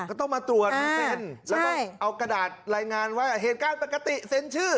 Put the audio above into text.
ก็ต้องมาตรวจเซ็นแล้วก็เอากระดาษรายงานว่าเหตุการณ์ปกติเซ็นชื่อ